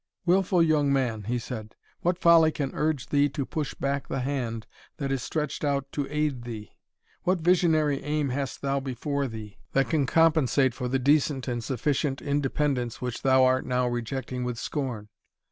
"Wilful young man," he said, "what folly can urge thee to push back the hand that is stretched out to aid thee? What visionary aim hast thou before thee, that can compensate for the decent and sufficient independence which thou art now rejecting with scorn?"